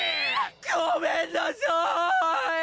ごめんなさい！